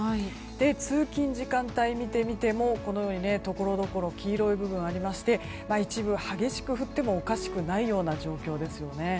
通勤時間帯を見てみてもこのように、ところどころ黄色い部分がありまして一部、激しく降ってもおかしくないような状況です。